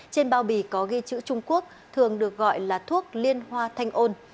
trên bao bì có ghi chữ trung quốc thường được gọi là thuốc liên hoa thanh ôn